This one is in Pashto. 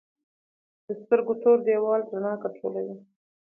د سترګو تور دیوال رڼا کنټرولوي